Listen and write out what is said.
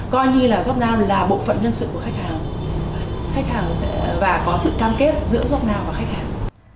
coi như là jobnow là bộ phận nhân sự của khách hàng và có sự cam kết giữa jobnow và khách hàng